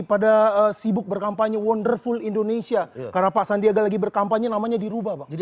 pada sibuk berkampanye wonderful indonesia karena pak sandiaga lagi berkampanye namanya dirubah bang